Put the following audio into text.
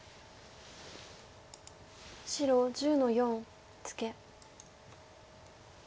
白１０の四ツケ。